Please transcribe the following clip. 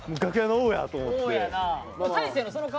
王やな。